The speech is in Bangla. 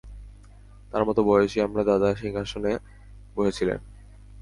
তার মত বয়সেই আমার দাদা সিংহাসনে বসেছিলেন।